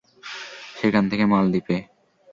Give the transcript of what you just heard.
সেখান থেকে মালদ্বীপে।